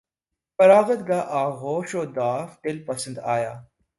فراغت گاہ آغوش وداع دل پسند آیا